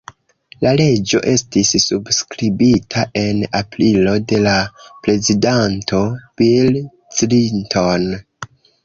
La leĝo estis subskribita en aprilo de la prezidanto Bill Clinton.